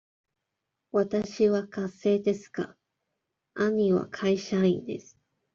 わたしは学生ですが、兄は会社員です。